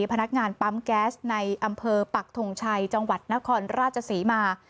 พนักงานปั๊มแก๊สในอำเภอปักทงชัยจังหวัดนครราชศรีมา